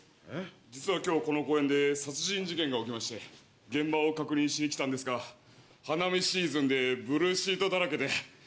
実は今日この公園で殺人事件が起きまして現場を確認しに来たんですが花見シーズンでブルーシートだらけで。